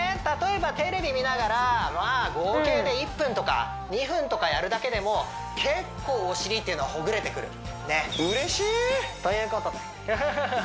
例えばテレビ見ながらまあ合計で１分とか２分とかやるだけでも結構お尻っていうのはほぐれてくるねっということでアハハハハッ